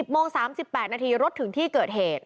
โมง๓๘นาทีรถถึงที่เกิดเหตุ